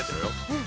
うん。